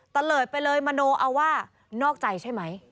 เลิศไปเลยมโนเอาว่านอกใจใช่ไหม